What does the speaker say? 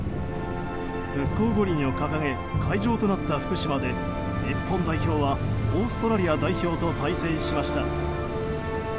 復興五輪を掲げ会場となった福島で日本代表はオーストラリア代表と対戦しました。